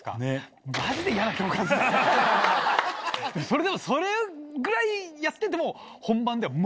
それでもそれぐらいやってても。